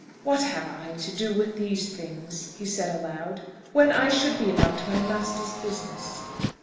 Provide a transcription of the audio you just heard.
"What have I to do with these things," he said aloud, "when I should be about my Master's business?